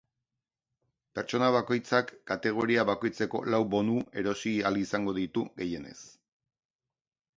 Pertsona bakoitzak kategoria bakoitzeko lau bonu erosi ahalko ditu gehienez.